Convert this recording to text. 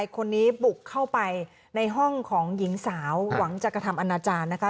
คนนี้บุกเข้าไปในห้องของหญิงสาวหวังจะกระทำอนาจารย์นะคะ